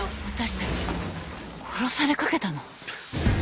「私たち殺されかけたの⁉」